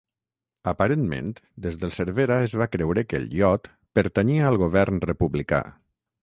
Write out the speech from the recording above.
Aparentment des del Cervera es va creure que el iot pertanyia al govern republicà.